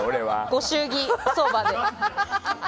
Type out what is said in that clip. ご祝儀相場で。